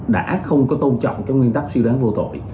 đã không có tôn trọng các nguyên tắc siêu đáng vô tội